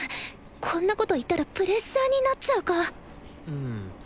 こんなこと言ったらプレッシャーになっちゃうかん